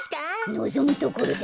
のぞむところだ。